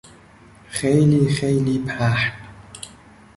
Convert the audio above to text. خیلی خیلی پهن